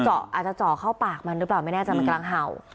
อาจจะจ่อเข้าปากมันหรือเปล่าไม่เนื่องจัดการเกลังเผา